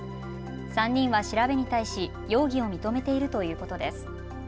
３人は調べに対し容疑を認めているということです。